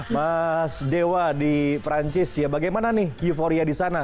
mas dewa di perancis ya bagaimana nih euforia di sana